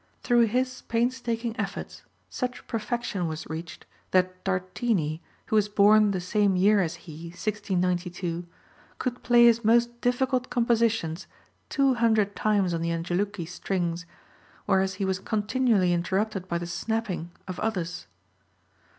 Through his painstaking efforts such perfection was reached that Tartini, who was born the same year as he, 1692, could play his most difficult compositions two hundred times on the Angelucci strings, whereas he was continually interrupted by the snapping of others.